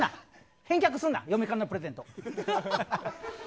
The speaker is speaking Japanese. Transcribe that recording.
返却するな嫁からのプレゼントを。